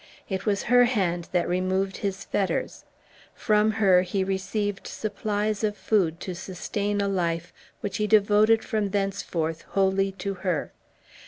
It was her hand that removed his fetters, from her he received supplies of food to sustain a life which he devoted from thenceforth wholly to her.